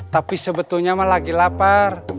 tapi sebetulnya mah lagi lapar